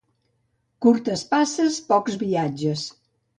Curtes passes, pocs viatges.